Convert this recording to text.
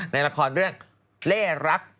ในรากษ์เรื่องเร่อรัก